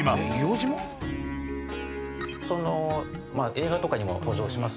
映画とかにも登場します